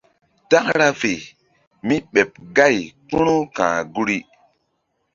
Takra fe mí ɓeɓ gay kpu̧ru ka̧h guri.